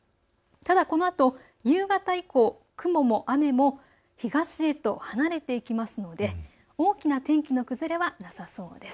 ただ、このあと夕方以降、雲も雨も東へと離れていきますので大きな天気の崩れはなさそうです。